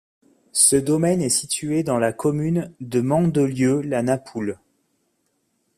Ce domaine est situé dans la commune de Mandelieu-la-Napoule.